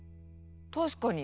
確かに。